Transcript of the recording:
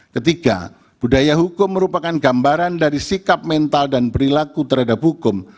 ketiga budaya hukum merupakan gambaran dari sikap mental dan perilaku terhadap hukum